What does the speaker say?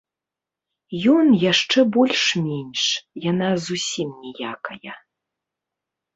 Ён яшчэ больш-менш, яна зусім ніякая.